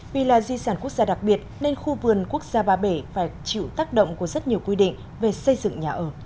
vì là di sản quốc gia đặc biệt nên khu vườn quốc gia ba bể phải chịu tác động của rất nhiều quy định về xây dựng nhà ở